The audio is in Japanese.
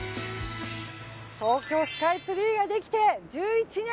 東京スカイツリーができて１１年。